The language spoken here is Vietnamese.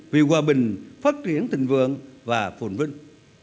vì hòa bình phát triển tình vượng và phồn vinh